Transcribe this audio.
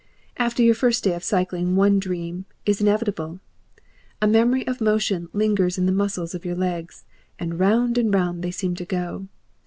After your first day of cycling one dream is inevitable. A memory of motion lingers in the muscles of your legs, and round and round they seem to go.